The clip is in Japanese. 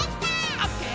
「オッケー！